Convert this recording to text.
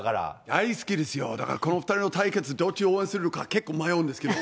大好きですよ、だからこの２人の対決、どっち応援するか、結構迷うんですけど。